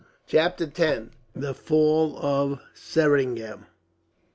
Chapter 10: The Fall Of Seringam.